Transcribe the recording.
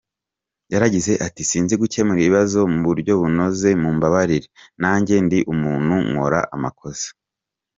Yagize ati “Sinzi gukemura ibibazo mu buryo bunoze mumbabarire, nanjye ndi umuntu nkora amakosa”.